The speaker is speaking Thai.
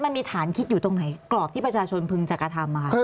มันมีฐานคิดอยู่ตรงไหนกรอบที่ประชาชนพึงจะกระทำ